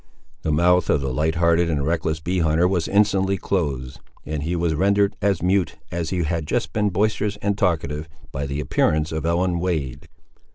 The mouth of the light hearted and reckless bee hunter was instantly closed, and he was rendered as mute, as he had just been boisterous and talkative, by the appearance of Ellen Wade.